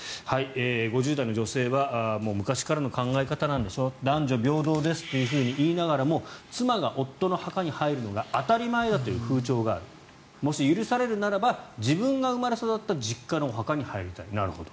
５０代の女性は昔からの考え方なんでしょう男女平等ですといいながらも妻が夫の墓に入るのが当たり前だという風潮があるもし許されるならば自分が生まれ育った実家のお墓に入りたいなるほど。